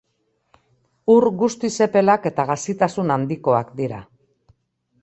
Ur guztiz epelak eta gazitasun handikoak dira.